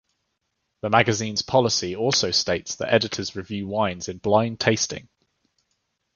The magazine's policy also states that editors review wines in blind tasting.